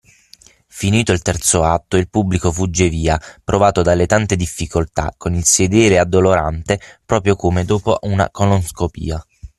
Finito il terzo atto il pubblico fugge via, provato dalle tante difficoltà, con il sedere a dolorante proprio come dopo una colonscopia.